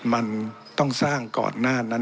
มันต้องสร้างก่อนหน้านั้น